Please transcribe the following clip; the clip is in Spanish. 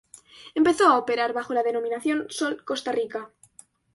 Empezó a operar bajo la denominación "Sol-Costa Rica".